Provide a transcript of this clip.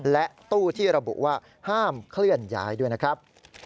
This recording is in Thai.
และตู้ที่ระบุว่าห้ามเคลื่อนย้ายด้วยนะครับ